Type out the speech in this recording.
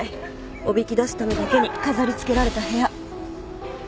おびき出すためだけに飾りつけられた部屋。